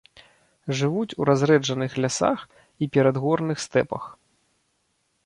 Жывуць у разрэджаных лясах і перадгорных стэпах.